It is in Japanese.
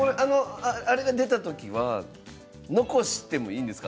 あれが出た時は残してもいいんですか？